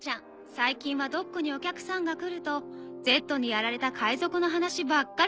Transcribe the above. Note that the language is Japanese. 最近はドックにお客さんが来るとＺにやられた海賊の話ばっかりなんですよ。